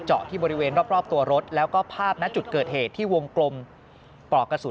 ที่บริเวณรอบตัวรถแล้วก็ภาพณจุดเกิดเหตุที่วงกลมปลอกกระสุน